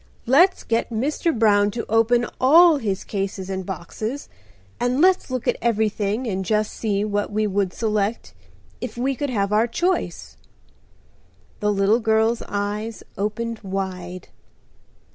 "Let's get Mr. Brown to open all his cases and boxes, and let's look at everything and just see what we would select if we could have our choice?" The little girl's eyes opened wide.